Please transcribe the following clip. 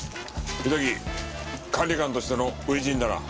板木管理官としての初陣だな。